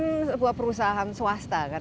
pt kcni ini kan sebuah perusahaan swasta kan